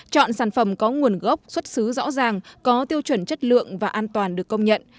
chọn sản phẩm có nguồn gốc xuất xứ rõ ràng có tiêu chuẩn chất lượng và an toàn được công nhận